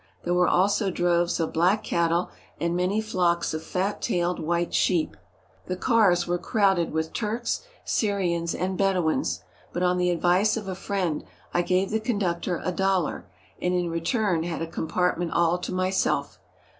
There were also droves of black cattle and many flocks of fat tailed white sheep. The cars were crowded with Turks, Syrians, and Bed ouins, but on the advice of a friend I gave the conductor a dollar, and in return had a compartment all to myself.